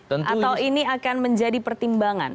atau ini akan menjadi pertimbangan